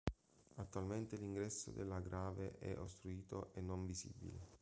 Attualmente l'ingresso della Grave è ostruito e non visibile.